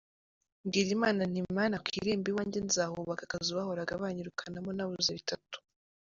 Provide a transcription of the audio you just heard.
mbwira Imana nti Mana ku irembo iwanjye nzahubaka akazu bahoraga banyirukanamo nabuze bitatu".